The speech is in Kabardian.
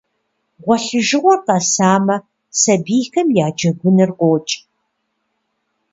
Гъуэлъыжыгъуэр къэсамэ, сабийхэм я джэгуныр къокӏ.